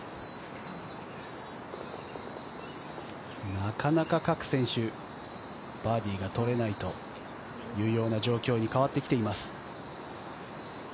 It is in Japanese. なかなか各選手、バーディーが取れないというような状況に変わってきています。